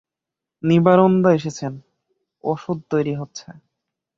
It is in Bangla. নিবারণদা এসেছেন, অষুধ তৈরি হচ্ছে।